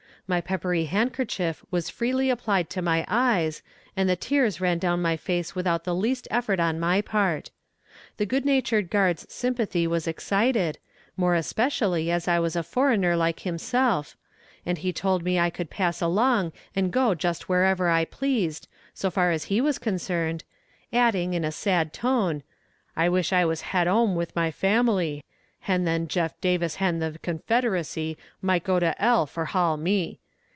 My peppery handkerchief was freely applied to my eyes, and the tears ran down my face without the least effort on my part. The good natured guard's sympathy was excited, more especially as I was a foreigner like himself, and he told me I could pass along and go just wherever I pleased, so far as he was concerned, adding in a sad tone, "I wish I was hat 'ome with my family, hand then Jeff. Davis hand the Confederacy might go to 'ell for hall me.